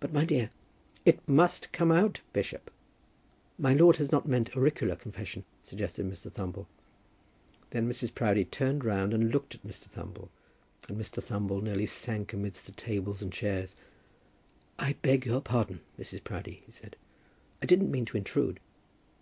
"But, my dear " "It must come out, bishop." "My lord has not meant auricular confession," suggested Mr. Thumble. Then Mrs. Proudie turned round and looked at Mr. Thumble, and Mr. Thumble nearly sank amidst the tables and chairs. "I beg your pardon, Mrs. Proudie," he said. "I didn't mean to intrude."